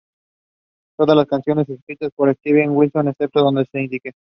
Todas las canciones escritas por Steven Wilson excepto donde se indique.